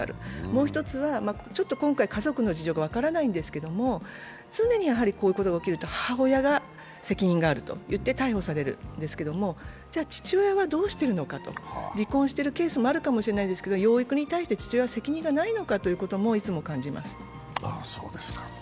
もう一つは今回家族の事情が分からないんですけれども、常にこういうことが起こると母親が責任があるといって逮捕されるんですけど、じゃあ、父親はどうしているのかと離婚しているケースもあると思うんですけど、養育に対して父親は責任はないのかと、いつも感じます。